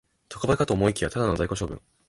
特売かと思いきや、ただの在庫処分